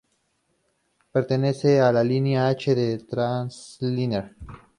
Pertenece a la línea H del Transilien.